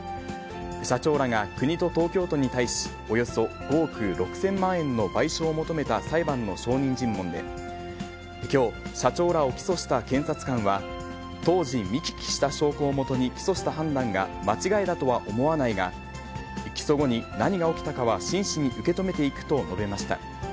社長らが国と東京都に対し、およそ５億６０００万円の賠償を求めた裁判の証人尋問で、きょう、社長らを起訴した検察官は、当時、見聞きした証拠をもとに起訴した判断が間違いだとは思わないが、起訴後に何が起きたかは真摯に受け止めていくと述べました。